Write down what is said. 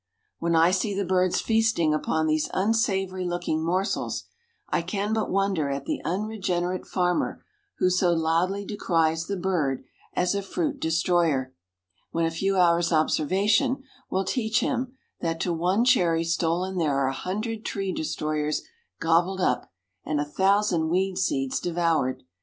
When I see the birds feasting upon these unsavory looking morsels, I can but wonder at the unregenerate farmer who so loudly decries the bird as a fruit destroyer, when a few hours' observation will teach him that to one cherry stolen there are a hundred tree destroyers gobbled up, and a thousand weed seeds devoured.